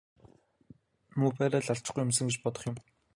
Муу байраа л алдчихгүй юмсан гэж бодох юм.